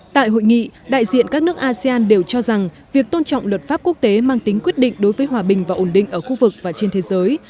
tại hội nghị đại diện các nước asean đều cho rằng việc tôn trọng luật pháp quốc tế mang tính quyết định đối với hòa bình và ổn định ở khu vực và trên thế giới